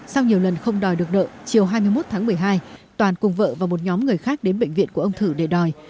sau nhiều lần không đòi được nợ chiều hai mươi một tháng một mươi hai toàn cùng vợ và một nhóm người khác đến bệnh viện của ông thử để đòi